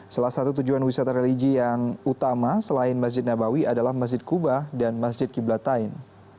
salah satu tujuan wisata religi yang utama selain masjid nabawi adalah masjid kuba dan masjid qiblatain